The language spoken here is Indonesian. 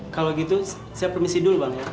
kalau gitu saya permisi dulu bang